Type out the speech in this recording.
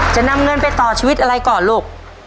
จะนำเงินไปต่อชีวิตอะไรก่อนลูก